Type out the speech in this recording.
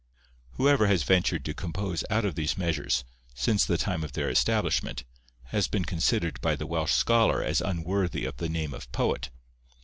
Whoever has ventured to compose out of these measures, since the time of their establishment, has been considered by the Welsh scholar as unworthy of the name of poet.